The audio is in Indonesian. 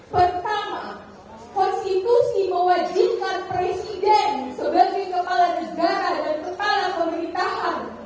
pertama konstitusi mewajibkan presiden sebagai kepala negara dan kepala pemerintahan